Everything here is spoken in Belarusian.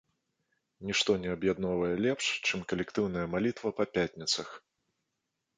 Нішто не аб'ядноўвае лепш, чым калектыўная малітва па пятніцах.